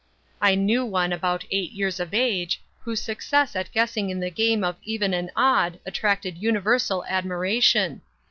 I knew one about eight years of age, whose success at guessing in the game of 'even and odd' attracted universal admiration.